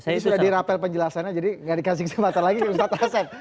sudah di rapel penjelasannya jadi tidak dikasih kesempatan lagi ustadz asef